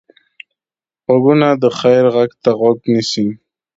غوږونه د خیر غږ ته غوږ نیسي